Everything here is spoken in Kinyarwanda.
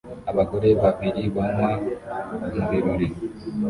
Abagore Babiri banywa mu birori